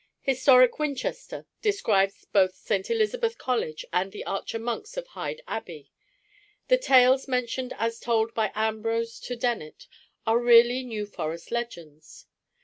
Historic Winchester describes both St. Elizabeth College and the Archer Monks of Hyde Abbey. The tales mentioned as told by Ambrose to Dennet are really New Forest legends.